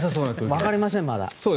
わかりません、まだ。